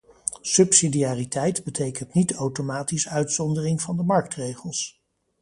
Subsidiariteit betekent niet automatisch uitzondering van de marktregels.